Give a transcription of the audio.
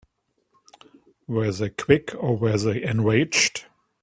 Were they quick or were they enraged?